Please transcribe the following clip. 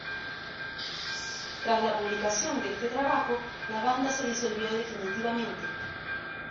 Tras la publicación de este trabajo la banda se disolvió definitivamente.